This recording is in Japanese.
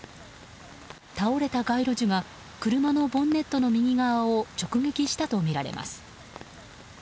倒れた街路樹が車のボンネットの右側を直撃したとみられます。